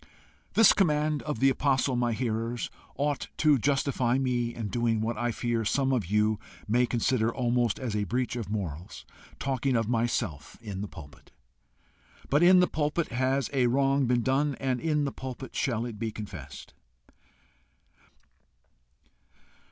This command of the apostle, my hearers, ought to justify me in doing what I fear some of you may consider almost as a breach of morals talking of myself in the pulpit. But in the pulpit has a wrong been done, and in the pulpit shall it be confessed.